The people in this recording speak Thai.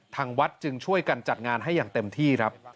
ทางวัดจึงช่วยกันจัดงานให้อย่างเต็มที่ครับ